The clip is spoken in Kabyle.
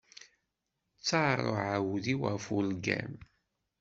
Ttaṛ uɛudiw ɣef ulgam.